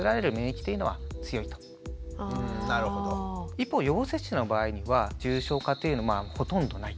一方予防接種の場合には重症化というのはまあほとんどない。